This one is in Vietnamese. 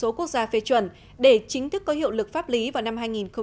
đã đạt đủ số quốc gia phê chuẩn để chính thức có hiệu lực pháp lý vào năm hai nghìn một mươi sáu